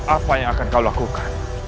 apa yang akan kau lakukan